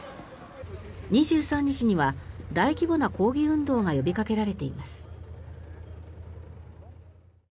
２３日には大規模な抗議運動が呼びかけられています。